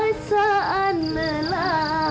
perasaan yang berbeda